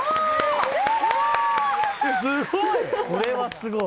すごい。